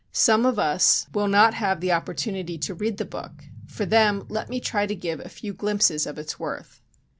Some of us will not have opportunity to read the book. For them let me try to give a few glimpses of its worth.